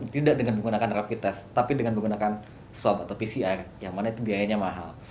tidak dengan menggunakan rapid test tapi dengan menggunakan swab atau pcr yang mana itu biayanya mahal